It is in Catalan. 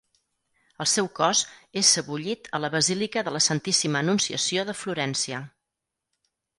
El seu cos és sebollit a la basílica de la Santíssima Anunciació de Florència.